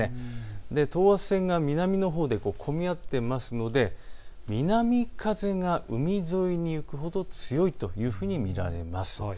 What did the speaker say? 等圧線が南のほうで混み合っていますので南風が海沿いに強いと見られます。